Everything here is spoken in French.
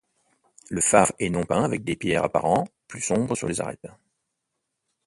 Le phare est non peint avec des pierres apparents plus sombres sur les arêtes.